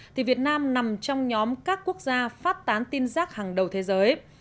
thì việt nam nằm trong nhóm các quốc gia phát tán tin rác hàng đầu thế giới